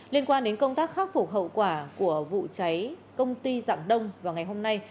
liên quan đến công tác khắc phục hậu quả của vụ cháy công ty dạng đông vào ngày hôm nay